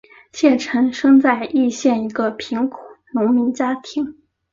谢臣生在易县一个贫苦农民家庭。